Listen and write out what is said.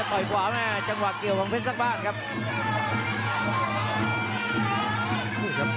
มาในนี้เยอะแล้วครับ